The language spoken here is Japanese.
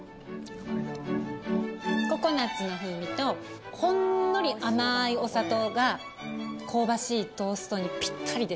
ココナツの風味とほんのり甘いお砂糖が香ばしいトーストにぴったりですから。